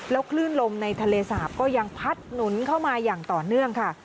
คลื่นลมในทะเลสาปก็ยังพัดหนุนเข้ามาอย่างต่อเนื่องค่ะ